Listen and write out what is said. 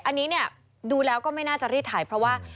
อันนี้เนี่ยดูแล้วก็ไม่น่าจะรีดถ่ายเพราะว่า